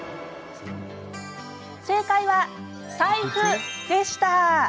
正解は、財布でした。